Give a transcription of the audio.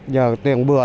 giờ tiền bừa